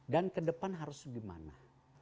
dan kedepan harus di mana